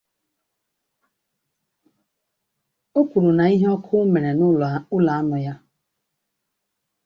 O kwùrù na ihe ọkụ mèrè n'ụlọ anụ ya